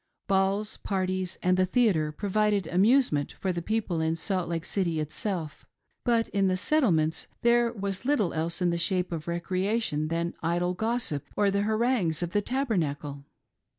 Balls, parties, and the tiieatre provided amusement for the people in Salt Lake City itself ; Ijut in the Settlements there was little else in the shape of recreation than idle gossip or the harangues of the Tabernacle.